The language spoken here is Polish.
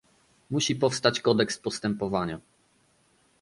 Musi powstać kodeks postępowania